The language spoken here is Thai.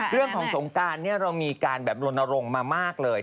เรื่องของสงการเนี่ยเรามีการแบบโรนโรงมามากเลย